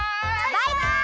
バイバイ！